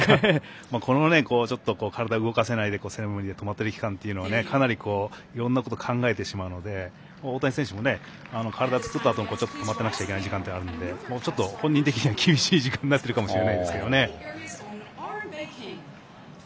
この、体を動かせないでいる期間っていうのは、かなりいろんなことを考えてしまうので大谷選手も体を作ったあとに止まらなきゃいけない時間になるのでちょっと、本人的には厳しい時間になってるかもしれないですけどね。